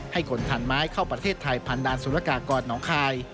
ขนผ่านไม้เข้าประเทศไทยผ่านด่านสุรกากรน้องคาย